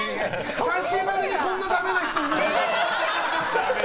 久しぶりにこんなダメな人、見ました。